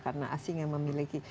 karena asing yang memiliki